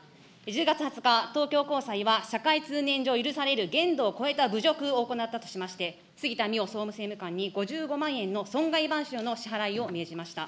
１０月２０日、東京高裁は社会通念上許される限度を超えた侮辱を行ったとしまして、杉田水脈総務政務官に５５万円の損害賠償の支払いを命じました。